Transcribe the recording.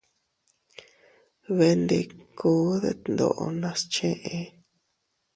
Beendikuu ddeetdoo nas chee.